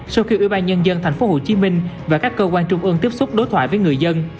sau khi ủy ban nhân dân tp hcm và các cơ quan trung ương tiếp xúc đối thoại với người dân